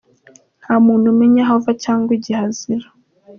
Nta muntu umenya aho ava cyangwa igihe azira.